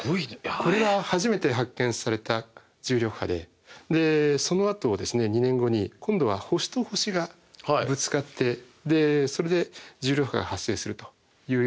これが初めて発見された重力波ででそのあと２年後に今度は星と星がぶつかってそれで重力波が発生するというようなことが報告されました。